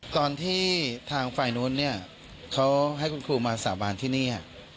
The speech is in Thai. ตอนที่ทางฝ่ายนู้นเนี่ยเขาให้คุณครูมาสาบานที่นี่